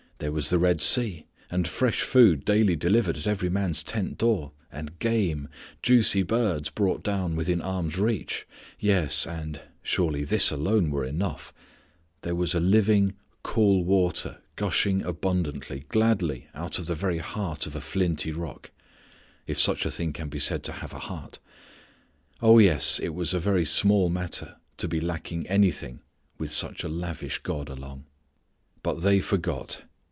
There was the Red Sea, and fresh food daily delivered at every man's tent door, and game, juicy birds, brought down within arms' reach, yes, and surely this alone were enough there was living, cool water gushing abundantly, gladly out of the very heart of a flinty rock if such a thing can be said to have a heart! Oh, yes it was a very small matter to be lacking anything with such a lavish God along. _But they forgot.